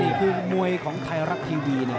นี่คือมวยของไทรักทีวี